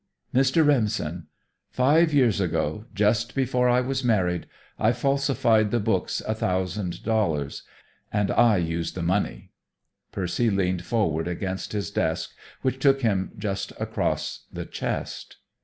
"Mr. Remsen, five years ago, just before I was married, I falsified the books a thousand dollars, and I used the money." Percy leaned forward against his desk, which took him just across the chest.